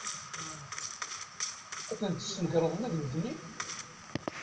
Ad ten-tesnegreḍ ula d nutni?